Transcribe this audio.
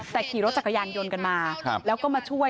แต่ขี่รถจักรยานยนต์กันมาแล้วก็มาช่วย